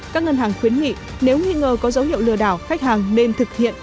các ngân hàng khuyến nghị nếu nghi ngờ có dấu hiệu lừa đảo khách hàng nên thực hiện